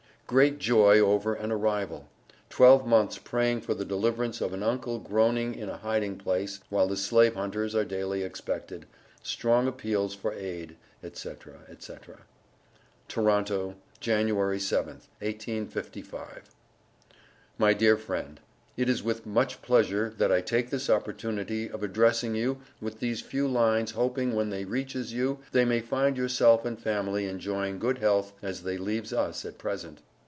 _Great joy over an arrival Twelve months praying for the deliverance of an Uncle groaning in a hiding place, while the Slave hunters are daily expected Strong appeals for aid, &c., &c._ TORONTO, January 7th, 1855. MY DEAR FRIEND: It is with much pleasure that I take this opportunity of addressing you with these few lines hoping when they reeches you they may find yourself and family enjoying good health as they leaves us at present.